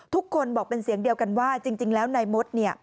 ทุกคนบอกเป็นเสียงเดียวกันว่าจริงแล้วนายมดเนี่ย